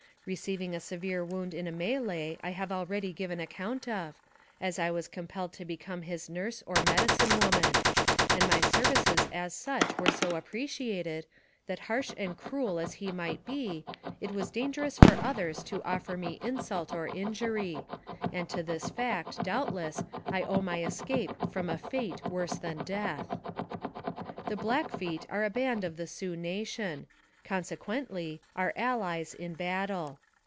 Receiving a severe wound in a melee I have already given an account of, I was compelled to become his nurse or medicine woman ; and my services as such were so appreciated, that harsh and cruel as he might be, it was dangerous for others to offer me insult or injury; and to this fact, doubtless, I owe my escape from a fate worse than death. The Blackfeet are a band of the Sioux nation ; con sequently, are allies in battle.